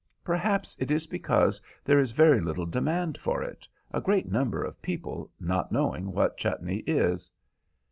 Perhaps it is because there is very little demand for it, a great number of people not knowing what chutney is."